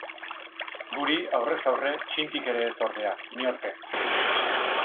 Guri, aurrez aurre, txintik ere ez, ordea, inork ez.